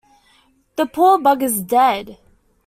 The poor bugger's dead!